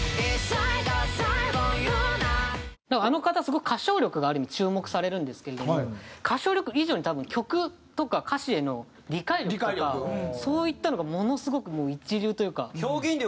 あの方すごく歌唱力がある意味注目されるんですけれども歌唱力以上に多分曲とか歌詞への理解力とかそういったのがものすごくもう一流というか。